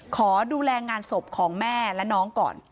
ขอดูแลงานศพของแม่และน้องก่อน